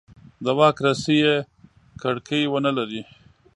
د واک رسۍ یې کړکۍ ونه لري.